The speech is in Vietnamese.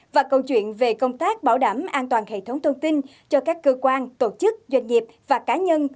và câu chuyện về công tác bảo đảm an toàn hệ thống thông tin cho các cơ quan tổ chức doanh nghiệp và cá nhân